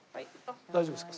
大丈夫ですか？